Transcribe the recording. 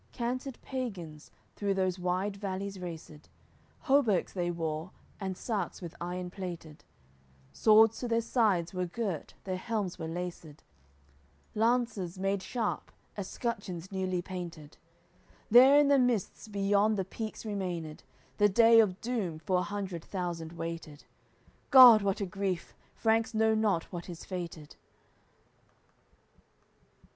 Cantered pagans, through those wide valleys raced, Hauberks they wore and sarks with iron plated, Swords to their sides were girt, their helms were laced, Lances made sharp, escutcheons newly painted: There in the mists beyond the peaks remained The day of doom four hundred thousand waited. God! what a grief. Franks know not what is fated.